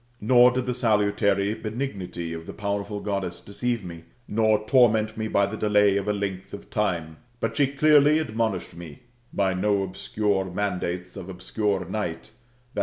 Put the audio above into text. Nor did the salutary benignity of the powerful Goddess deceive roe, nor torment me by the delay of a length of time ; but she clearly admonished me by no obscure mandates of obscure night [i.